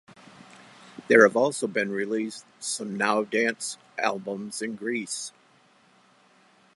There have also been released some "Now Dance" albums in Greece.